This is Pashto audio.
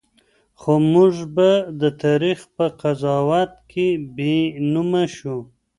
خو موږ به د تاریخ په قضاوت کې بېنومه شو.